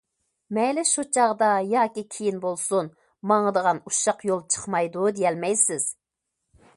مەيلى شۇ چاغدا ياكى كېيىن بولسۇن ماڭىدىغان ئۇششاق يول چىقمايدۇ دېيەلمەيسىز.